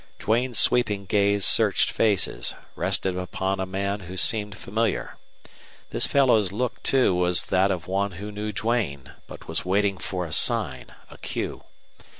Duane's sweeping gaze searched faces, rested upon a man who seemed familiar. This fellow's look, too, was that of one who knew Duane, but was waiting for a sign, a cue.